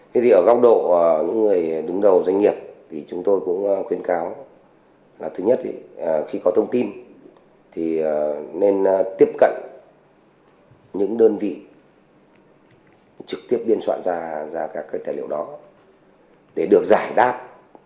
thế thì ở góc độ những người đứng đầu doanh nghiệp thì chúng tôi cũng khuyến cáo là thứ nhất thì khi có thông tin thì nên tiếp cận những đơn vị trực tiếp biên soạn ra ra các cái tài liệu đó để được giải đáp